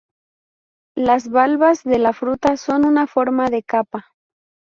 Las valvas de la fruta son de una forma de copa.